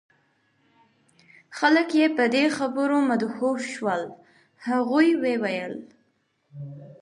خلک یې په دې خبرو مدهوش شول. هغوی وویل: